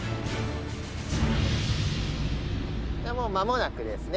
もうまもなくですね